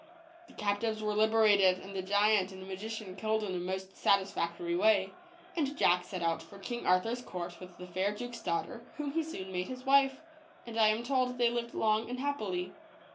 The captives were liber ated, and the giant and magician killed in a most satisfactory way; and Jack set out for King Arthur's court with the fair duke's daughter, whom he soon made his wife, and I am told they lived long and happily.